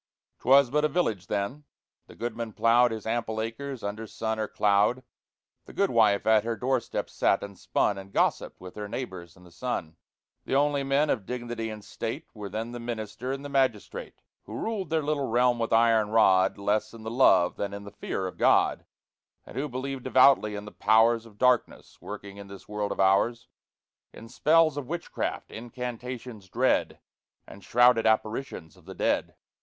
'Twas but a village then: the goodman ploughed His ample acres under sun or cloud; The goodwife at her doorstep sat and spun, And gossiped with her neighbors in the sun; The only men of dignity and state Were then the Minister and the Magistrate, Who ruled their little realm with iron rod, Less in the love than in the fear of God; And who believed devoutly in the Powers Of Darkness, working in this world of ours, In spells of Witchcraft, incantations dread, And shrouded apparitions of the dead.